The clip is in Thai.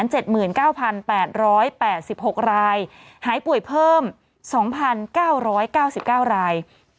หายป่วยเพิ่ม๒๙๙๙ราย